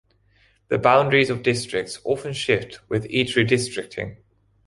The boundaries of districts often shift with each redistricting.